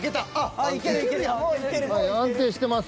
はい安定してます。